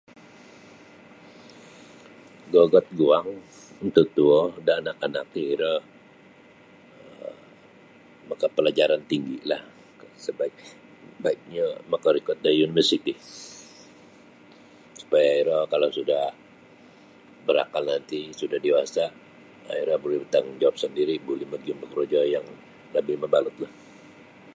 Gogot guang mututuo da anak-anak ti iro um makapalajaran tinggilah sabaiknyo makarikot da universiti supaya iro kalau sudah barakal nanti sudah dewasa' iro buli batanggungjawab sandiri buli magiyum da korojo yang labih mabalutlah.